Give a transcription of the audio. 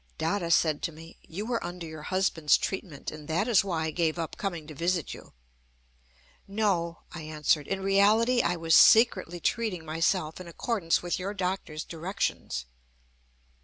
Dada said to me: "You were under your husband's treatment, and that is why I gave up coming to visit you." "No," I answered. "In reality, I was secretly treating myself in accordance with your doctor's directions."